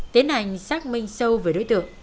tiến hành xác minh sâu về đối tượng